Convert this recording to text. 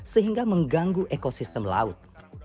sehingga mengganggu ekosistem laut